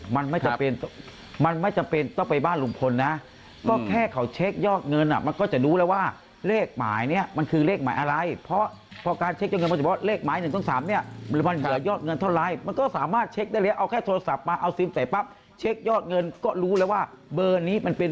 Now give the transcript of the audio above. มันไม่จำเป็นมันไม่จำเป็นต้องไปบ้านลุงพลนะก็แค่เขาเช็คยอดเงินอ่ะมันก็จะรู้แล้วว่าเลขหมายเนี้ยมันคือเลขหมายอะไรเพราะพอการเช็คเงินมาเฉพาะเลขหมาย๑๒๓เนี่ยมันเหลือยอดเงินเท่าไรมันก็สามารถเช็คได้เลยเอาแค่โทรศัพท์มาเอาซิมใส่ปั๊บเช็คยอดเงินก็รู้แล้วว่าเบอร์นี้มันเป็น